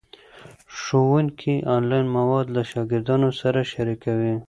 ښوونکي آنلاین مواد له شاګردانو سره شریکوي.